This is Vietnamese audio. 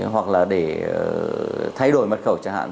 hoặc là để thay đổi mật khẩu chẳng hạn